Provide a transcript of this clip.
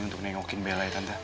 untuk tengokin bella ya tante